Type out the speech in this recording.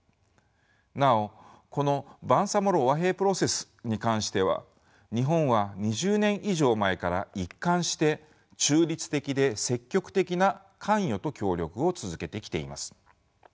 なおこのバンサモロ和平プロセスに関しては日本は２０年以上前から一貫して中立的で積極的な関与と協力を続けてきています。